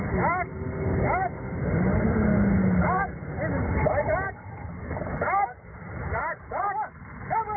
ถึงที่นี่ครับรถ๓๕